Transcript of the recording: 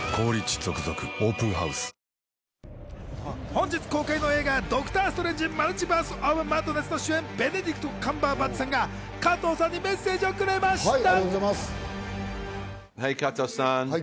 本日公開の映画『ドクター・ストレンジ／マルチバース・オブ・マッドネス』の主演、ベネディクト・カンバーバッチさんが加藤さんにメッセージをくれました。